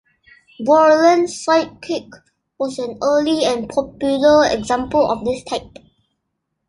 Borland Sidekick was an early and popular example of this type.